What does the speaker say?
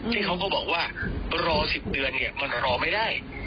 ที่เขาก็บอกว่ารอ๑๐เดือนเนี่ยมันรอไม่ได้